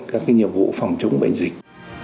các nhiệm vụ phòng chống bệnh dịch